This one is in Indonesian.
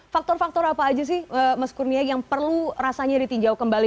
faktor faktor apa aja sih mas kurnia yang perlu rasanya ditinjau kembali